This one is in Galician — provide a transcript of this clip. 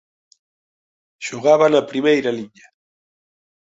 Xogaba na primeira liña.